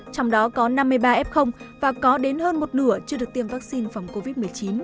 trong đó có năm mươi ba f và có đến hơn một nửa chưa được tiêm vaccine phòng covid một mươi chín